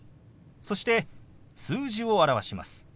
そして数字を表します。